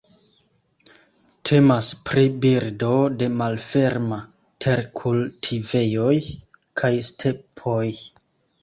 Temas pri birdo de malferma terkultivejoj kaj stepoj.